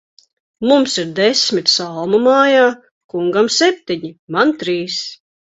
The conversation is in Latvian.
Mums ir desmit salmu mājā; kungam septiņi, man trīs.